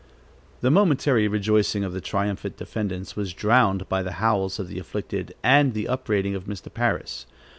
The momentary rejoicing of the triumphant defendants was drowned by the howls of the afflicted and the upbraiding of Mr. Parris.